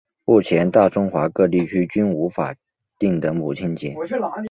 目前大中华各地区均无法定的母亲节。